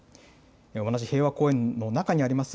同じ平和公園の中にあります